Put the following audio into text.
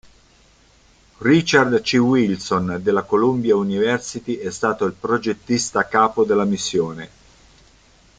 Richard C. Wilson della Columbia University è stato il progettista capo della missione.